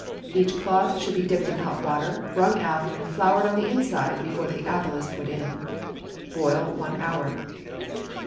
Each cloth should be dipped in hot water, wrung out and floured on the inside before the apple is put in. Boil one hour.